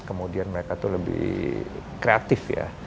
kemudian mereka tuh lebih kreatif ya